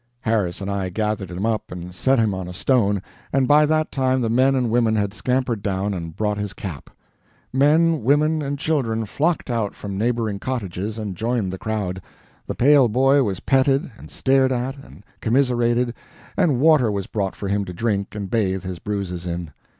Harris and I gathered him up and set him on a stone, and by that time the men and women had scampered down and brought his cap. Men, women, and children flocked out from neighboring cottages and joined the crowd; the pale boy was petted, and stared at, and commiserated, and water was brought for him to drink and bathe his bruises in.